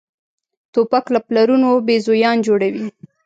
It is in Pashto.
توپک له پلارونو بېزویان جوړوي.